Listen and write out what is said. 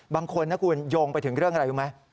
บางคนนะคุณโยงไปถึงเรื่องอะไรรู้ไหม